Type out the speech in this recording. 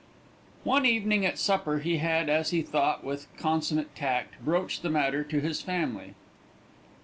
One evening at supper he had, as he thought with consummate tact, broached the matter to his family.